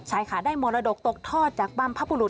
ใช่ค่ะได้มรดกตกทอดจากบรรพบุรุษ